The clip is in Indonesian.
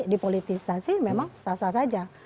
dipolitikasi memang sasa saja